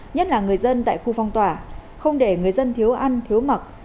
nhất là người dân tại khu phong tỏa không để người dân thiếu ăn thiếu mặc